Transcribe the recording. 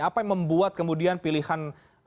apa yang membuat kemudian pilihan